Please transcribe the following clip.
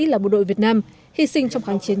là bộ đội việt nam hy sinh trong kháng chiến